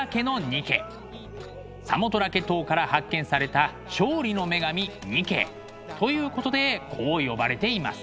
サモトラケ島から発見された勝利の女神ニケということでこう呼ばれています。